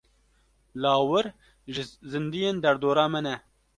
Lawir ji zindiyên derdora me ne.